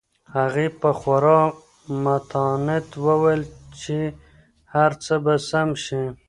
هغې په خورا متانت وویل چې هر څه به سم شي.